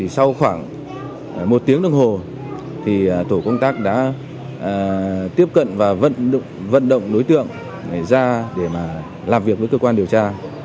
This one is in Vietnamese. sau khoảng một tiếng đồng hồ tổ công tác đã tiếp cận và vận động đối tượng ra để làm việc với cơ quan điều tra